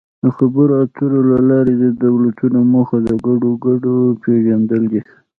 د خبرو اترو له لارې د دولتونو موخه د ګډو ګټو پېژندل دي